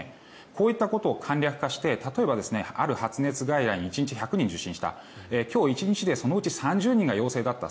こういったことを簡略化して例えば、ある発熱外来に１日１００人受診した今日１日でそのうち３０人が陽性だった。